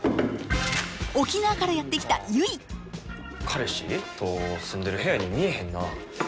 沖縄からやって来た彼氏と住んでる部屋に見えへんな。